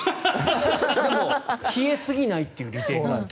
でも冷えすぎないという利点がある。